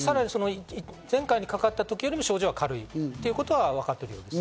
前回かかった時より症状は軽いということはわかっています。